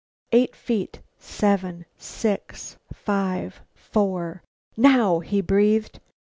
Eight feet, seven, six, five, four. "Now!" he breathed.